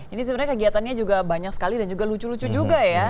ini sebenarnya kegiatannya juga banyak sekali dan juga lucu lucu juga ya